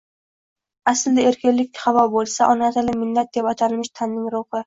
Aslida, erkinlik havo boʻlsa, ona tili millat deb atalmish tanning ruhi.